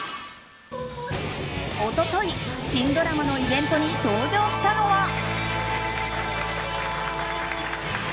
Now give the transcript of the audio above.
一昨日、新ドラマのイベントに登場したのは。